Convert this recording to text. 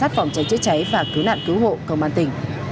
cảnh sát phòng cháy cháy cháy và cứu nạn cứu hộ công an tỉnh